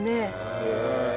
へえ。